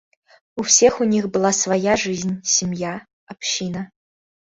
У всех у них была своя жизнь, семья, община.